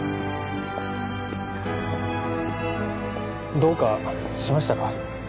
どうかしましたか？